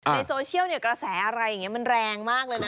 ในโซเชียลเนี่ยกระแสอะไรอย่างนี้มันแรงมากเลยนะ